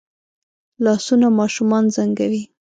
لاسونه ماشومان زنګوي